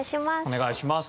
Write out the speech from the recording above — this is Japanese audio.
お願いします。